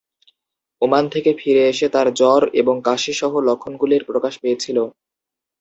Oman থেকে ফিরে এসে তার জ্বর এবং কাশি সহ লক্ষণগুলির প্রকাশ পেয়েছিল।